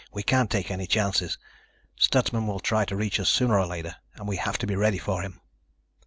"We can't take any chances. Stutsman will try to reach us sooner or later and we have to be ready for him."